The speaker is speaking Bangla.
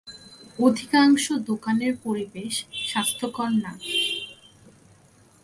অধিকাংশ দোকানের পরিবেশ স্বাস্থ্যকর না।